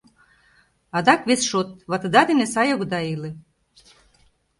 — Адак вес шот: ватыда дене сай огыда иле.